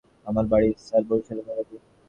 আমার বাড়ি স্যার বরিশালের মূলাদি।